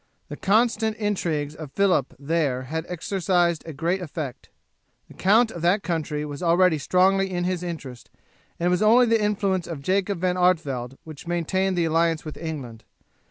The constant intrigues of Phillip there had exercised a great effect. The count of that country was already strongly in his interest, and it was only the influence of Jacob van Artevelde which maintained the alliance with England.